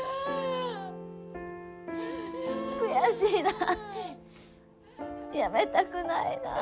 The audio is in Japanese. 悔しいなあやめたくないなあ。